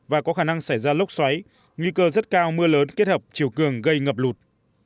và có khả năng xảy ra lốc xoáy nguy cơ rất cao mưa lớn kết hợp chiều cường gây ngập lụt